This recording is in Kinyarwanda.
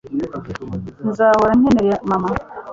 nzahora nkenera mama